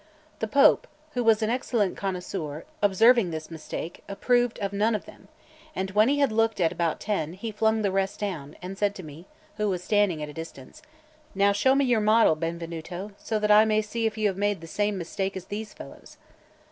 The Pope, who was an excellent connoisseur, observing this mistake, approved of none of them; and when he had looked at about ten, he flung the rest down, and said to me, who was standing at a distance: "Now show me your model, Benvenuto, so that I may see if you have made the same mistake as those fellows."